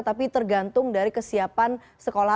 tapi tergantung dari kesiapan sekolah